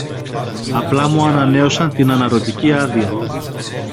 Απλά μου ανανέωσαν την αναρρωτική άδεια